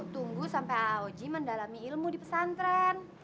tunggu sampai aoji mendalami ilmu di pesantren